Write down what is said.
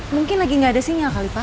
mungkin lagi nggak ada sinyal kali pak